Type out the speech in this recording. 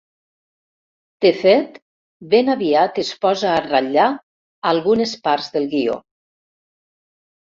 De fet, ben aviat es posa a ratllar algunes parts del guió.